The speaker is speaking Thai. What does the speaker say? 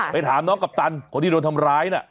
ถามน้องกัปตันคนที่โดนทำร้ายน่ะ